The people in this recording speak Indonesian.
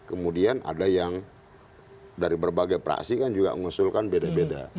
kemudian ada yang dari berbagai praksi kan juga mengusulkan beda beda